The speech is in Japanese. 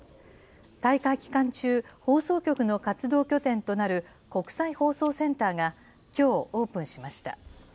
大会期間中、放送局の活動拠点となる国際放送センターが、きょうオープンしました。